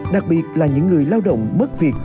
đặc biệt là những người lao động mất việc